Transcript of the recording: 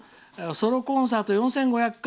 ソロコンサート「４５００回」